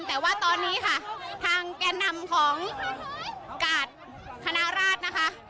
แต่ว่าตอนนี้ค่ะทางแก่นำของกาดคณะราชนะคะ